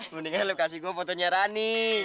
mendingan lo kasih gue fotonya rani